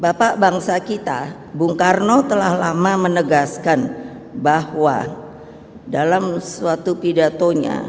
bapak bangsa kita bung karno telah lama menegaskan bahwa dalam suatu pidatonya